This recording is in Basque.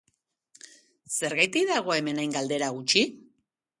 Zergatik dago hemen hain galdera gutxi?